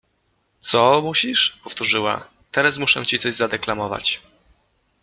— Coo musisz? Powtórzyła: — Teraz muszę ci coś zadeklamować.